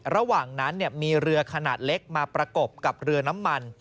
ระหว่างนั้นมีเรือขนาดเล็กมาประกบกับเรือน้ำมัน